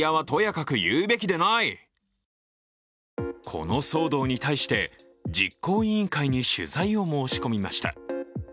この騒動に対して、実行委員会に取材を申し込みました。